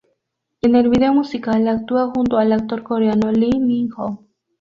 En el vídeo musical actúa junto al actor coreano Lee Min Ho.